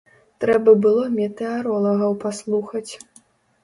Трэба было метэаролагаў паслухаць.